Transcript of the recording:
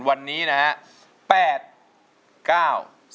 วันนี้นะฮะ